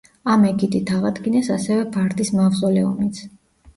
ამ ეგიდით აღადგინეს ასევე ბარდის მავზოლეუმიც.